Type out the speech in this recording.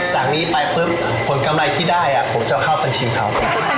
จากนี้ไปคนกำไรที่ได้ผมจะเข้าสัญญาเขา